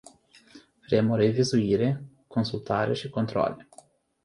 Vrem o revizuire, consultare și controale.